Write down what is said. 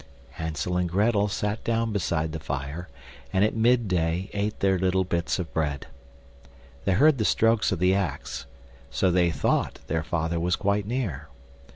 Hansel and Grettel sat down beside the fire, and at midday ate their little bits of bread. They heard the strokes of the axe, so they thought their father was quite near.